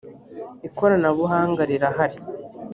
ikoranabuhanga rirahari.